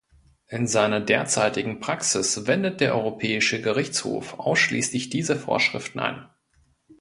In seiner derzeitigen Praxis wendet der Europäische Gerichtshof ausschließlich diese Vorschriften an.